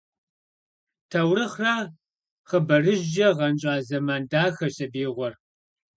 Таурыхърэ хъыбарыжькӀэ гъэнщӀа зэман дахэщ сабиигъуэр.